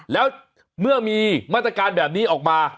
แล้วเมื่อมีมาตรการแบบนี้ออกมา